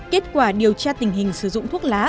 kết quả điều tra tình hình sử dụng thuốc lá